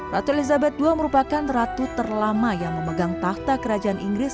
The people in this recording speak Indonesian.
ratu elizabeth ii merupakan ratu terlama yang memegang tahta kerajaan inggris